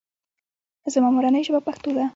زما مورنۍ ژبه پښتو ده